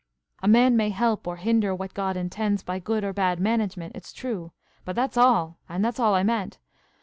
"A man may help or hinder what God intends, by good or bad management, it's true; but that's all, and that's all I meant.